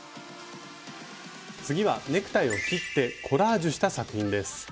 次はネクタイを切ってコラージュした作品です。